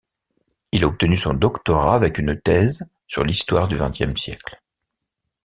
Il a obtenu son doctorat avec une thèse sur l'histoire du vingtième siècle.